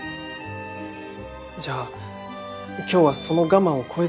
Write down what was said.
じゃあ今日はその我慢を超えてきたんですね。